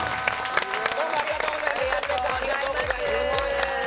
どうも皆さんありがとうございました。